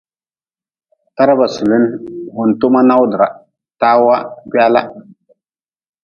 Taraba sulin, wuntoma nawdra, tawa gwala.